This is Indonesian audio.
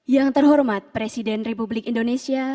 yang terhormat presiden republik indonesia